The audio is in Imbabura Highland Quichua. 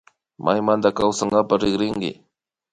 Maymanta kawsankapak rikrinkichi